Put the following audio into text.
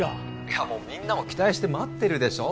いやもうみんなも期待して待ってるでしょ